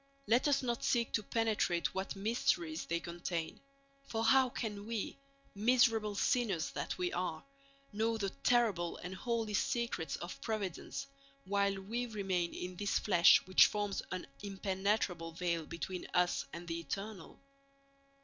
Let us not seek to penetrate what mysteries they contain; for how can we, miserable sinners that we are, know the terrible and holy secrets of Providence while we remain in this flesh which forms an impenetrable veil between us and the Eternal?